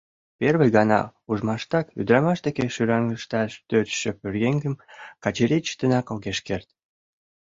Первый гана ужмаштак ӱдрамаш деке шӱраҥышташ тӧчышӧ пӧръеҥым Качырий чытенак огеш керт.